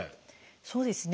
そうですね。